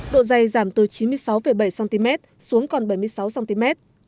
độ dây giảm từ chín mươi sáu bảy cm xuống còn bảy mươi sáu cm